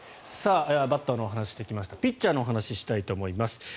バッターのお話をしてきましたピッチャーのお話をしたいと思います。